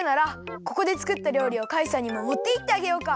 ここでつくったりょうりをカイさんにももっていってあげようか。